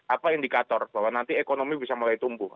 apa indikator bahwa nanti ekonomi bisa mulai tumbuh